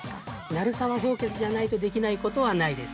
◆鳴沢氷穴じゃないとできないことはないです。